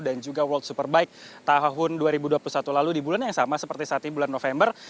dan juga world superbike tahun dua ribu dua puluh satu lalu di bulan yang sama seperti saat ini bulan november